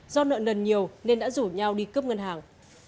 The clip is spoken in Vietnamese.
do nợ nần nhiều nên đã rủ nhau đi cướp ngân hàng